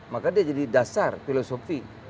maka dia jadi dasar filosofi